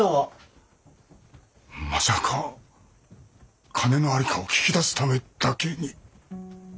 まさか金の在りかを聞き出すためだけに？